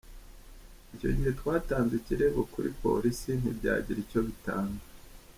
Icyo gihe twatanze ikirego kuri polisi ntibyagira icyo bitanga.